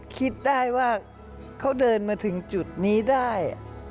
คิดได้ว่าเขาเดินมาถึงจุดนี้ได้